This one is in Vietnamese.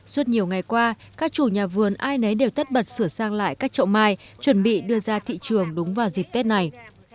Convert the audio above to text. suốt nhiều ngày qua các chủ nhà vườn ai nấy đều tất bật sửa sang lại các trậu mai chuẩn bị đưa ra thị trường đúng vào dịp tết này